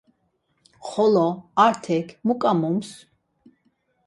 Xolo Artek mu ǩamums?